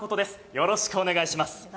よろしくお願いします。